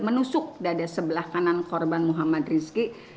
menusuk dada sebelah kanan korban muhammad rizky